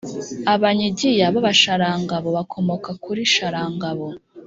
Abanyigiya b’Abasharangabo bakomoka kuri Sharangabo